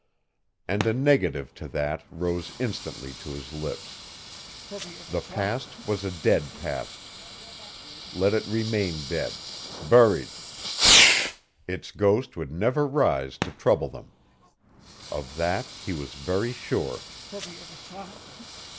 And a negative to that rose instantly to his lips. The past was a dead past. Let it remain dead buried. Its ghost would never rise to trouble them. Of that he was very sure.